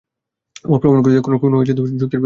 উহা প্রমাণ করিতে কোন যুক্তির প্রয়োজন হয় না।